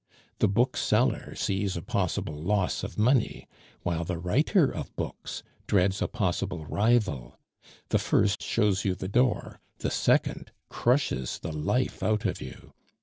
The bookseller sees a possible loss of money, while the writer of books dreads a possible rival; the first shows you the door, the second crushes the life out of you.